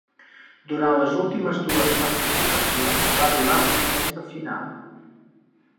Durant les últimes dues participacions va arribar a vuitens de final.